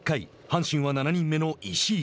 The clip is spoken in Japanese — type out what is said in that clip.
阪神は７人目の石井。